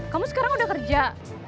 kamu sekarang udah kerja